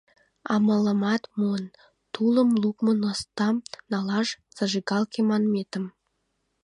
Амалымат муын: тулым лукмо настам налаш, зажигалке манметым.